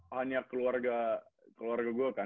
hanya keluarga keluarga gue kan